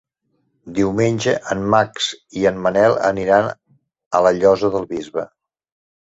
Diumenge en Max i en Manel iran a la Llosa del Bisbe.